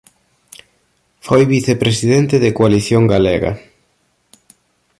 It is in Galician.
Foi vicepresidente de Coalición Galega.